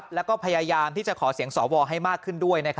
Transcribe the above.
แล้วก็พยายามที่จะขอเสียงสวให้มากขึ้นด้วย